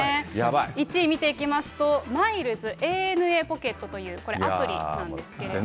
１位見ていきますと、マイルズ、ＡＮＡＰｏｃｋｅｔというこれ、アプリなんですけれども。